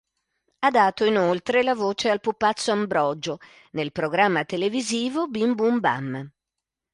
Ha dato inoltre la voce al pupazzo Ambrogio nel programma televisivo "Bim bum bam".